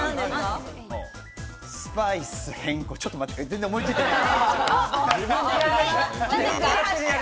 スパイス、ちょっと待って、全然おもいついてない。